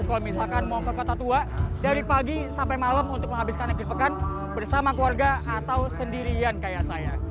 kalau misalkan mau ke kota tua dari pagi sampai malam untuk menghabiskan akhir pekan bersama keluarga atau sendirian kayak saya